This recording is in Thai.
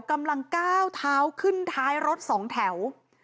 กำลังก้าวเท้าขึ้นท้ายรถสองแถว